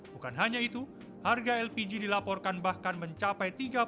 bukan hanya itu harga lpg dilaporkan bahkan mencapai